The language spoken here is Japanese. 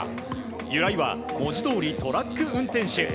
由来は文字どおりトラック運転手。